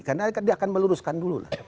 karena dia akan meluruskan dulu lah